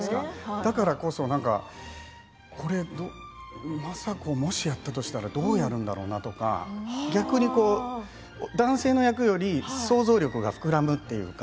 だからこそ政子、もしやったとしたらどうやるんだろうなとか逆に男性の役より想像力が膨らむというか。